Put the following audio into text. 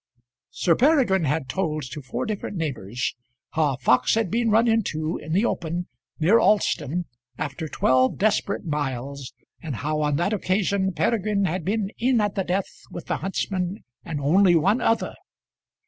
Sir Peregrine had told to four different neighbours how a fox had been run into, in the open, near Alston, after twelve desperate miles, and how on that occasion Peregrine had been in at the death with the huntsman and only one other.